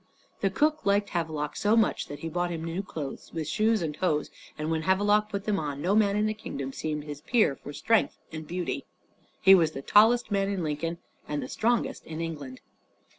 The cook liked Havelok so much that he bought him new clothes, with shoes and hose; and when Havelok put them on, no man in the kingdom seemed his peer for strength and beauty. He was the tallest man in Lincoln, and the strongest in England.